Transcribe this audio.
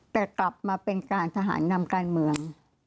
แต่กลับมาเป็นการทหารนำการเมือง